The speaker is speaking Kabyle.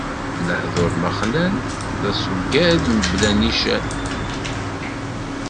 Lehduṛ ma xlan, d aṣeggad mebla nnican.